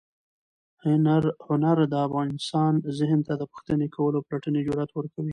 هنر د انسان ذهن ته د پوښتنې کولو او پلټنې جرات ورکوي.